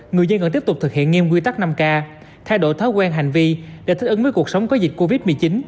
người dân cần tiếp tục thực hiện nghiêm quy tắc năm k thay đổi thói quen hành vi để thích ứng với cuộc sống có dịch covid một mươi chín